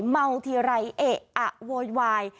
เมาทีไรเอะอะโวยวาย